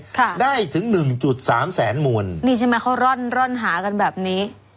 ค่ะได้ถึงหนึ่งจุดสามแสนมวลนี่ใช่ไหมเขาร่อนร่อนหากันแบบนี้